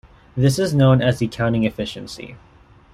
This is known as the counting efficiency.